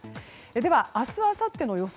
では、明日あさっての予想